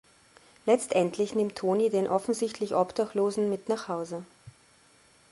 Letztendlich nimmt Toni den offensichtlich Obdachlosen mit nach Hause.